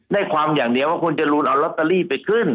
ได้ความอย่างเดียวว่าคุณจรูนเอาลอตเตอรี่ไปขึ้น